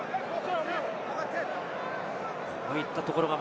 こういったところが。